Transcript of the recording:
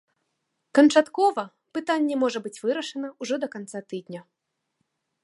Канчаткова пытанне можа быць вырашана ўжо да канца тыдня.